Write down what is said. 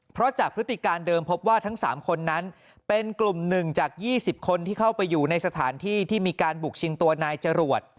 เพราะจากพฤติการเดิมพบว่าทั้ง๓คนนั้นเป็นกลุ่มหนึ่งจาก๒๐คนที่เข้าไปอยู่ในสถานที่ที่มีการบุกชิงตัวนายจรวด